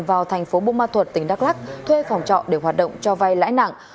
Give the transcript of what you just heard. vào thành phố bô ma thuật tỉnh đắk lắc thuê phòng trọ để hoạt động cho vay lãi nặng